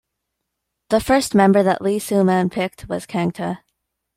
The first member that Lee Soo-man picked was Kangta.